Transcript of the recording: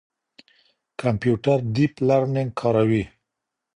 کمپيوټر ډيپ لرنينګ کاروي.